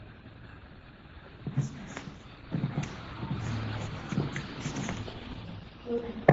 Jambo banaichoma bitu byote bina lungula